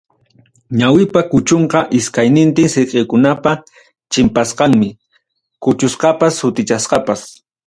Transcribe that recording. Ñawipa kuchunqa iskaynintin siqikunapa chimpasqanmi, kuchusqapas sutichasqapas.